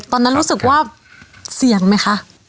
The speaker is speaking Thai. ตอนนั้นรู้สึกว่าเสี่ยงไหมคะ